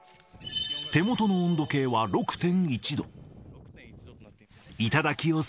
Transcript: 手元の温度計は６．１度。